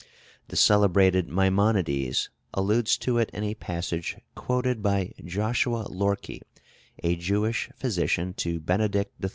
The celebrated Maimonides alludes to it in a passage quoted by Joshua Lorki, a Jewish physician to Benedict XIII.